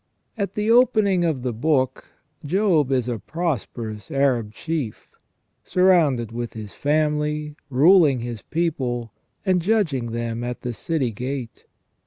At the opening of the book, Job is a prosperous Arab chief, surrounded with his family, ruling his people, and judging them at the city gate.